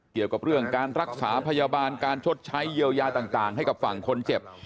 เกี่ยวกับเรื่องการรักษาพยาบาลการชดใช้เยียวยาต่างให้กับฝั่งคนเจ็บ